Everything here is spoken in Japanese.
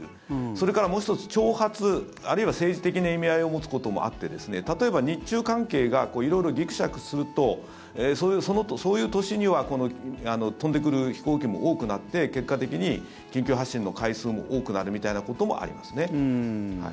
それからもう１つ、挑発あるいは政治的な意味合いを持つこともあって例えば日中関係が色々ぎくしゃくするとそういう年には飛んでくる飛行機も多くなって結果的に緊急発進の回数も多くなるみたいなこともありますね。